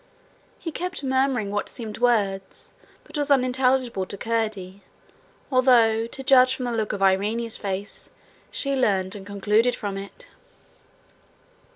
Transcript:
He kept murmuring what seemed words, but was unintelligible to Curdie, although, to judge from the look of Irene's face, she learned and concluded from it.